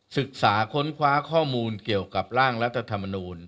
ศึกษาค้นคว้าข้อมูลเกี่ยวกับร่างรัฐธรรมนูล